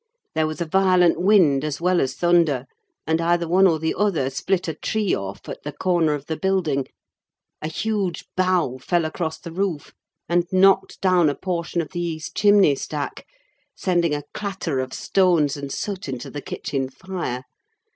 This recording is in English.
There was a violent wind, as well as thunder, and either one or the other split a tree off at the corner of the building: a huge bough fell across the roof, and knocked down a portion of the east chimney stack, sending a clatter of stones and soot into the kitchen fire.